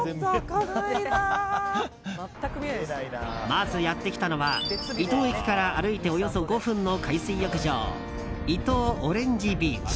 まずやってきたのは伊東駅から歩いておよそ５分の海水浴場伊東オレンジビーチ。